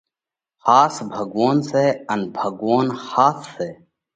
ۿاس ڀڳوونَ سئہ ان ڀڳوونَ ۿاس سئہ۔